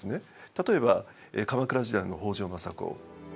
例えば鎌倉時代の北条政子。